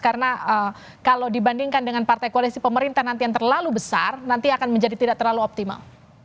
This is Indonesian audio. karena kalau dibandingkan dengan partai koalisi pemerintahan yang terlalu besar nanti akan menjadi tidak terlalu optimal